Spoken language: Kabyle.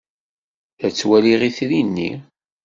La ttwaliɣ itri-nni.